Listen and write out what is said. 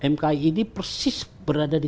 mki ini persis berada di